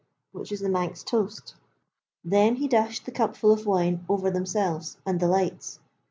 which is the Manx toast. Then he dashed the cupful of wine over Themselves and the lights.